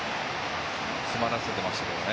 詰まらせてましたけどね。